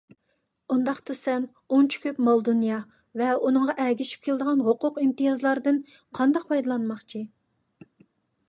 ئۇنداقتا سەن ئۇنچە كۆپ مال - دۇنيا ۋە ئۇنىڭغا ئەگىشىپ كېلىدىغان ھوقۇق - ئىمتىيازلاردىن قانداق پايدىلانماقچى؟